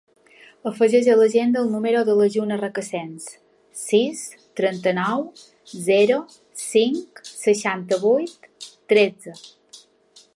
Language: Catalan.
Afegeix a l'agenda el número de la Juna Recasens: sis, trenta-nou, zero, cinc, seixanta-vuit, tretze.